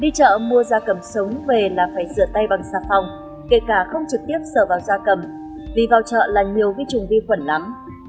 đi chợ mua da cầm sống về là phải rửa tay bằng xà phòng kể cả không trực tiếp sờ vào da cầm vì vào chợ là nhiều vi trùng vi khuẩn lắm